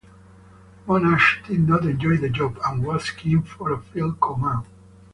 Monash did not enjoy the job, and was keen for a field command.